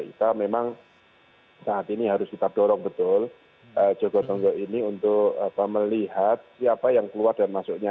kita memang saat ini harus kita dorong betul jogo tonggo ini untuk melihat siapa yang keluar dan masuknya